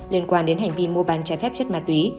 liên quan đến hành vi mua bán trái phép chất ma túy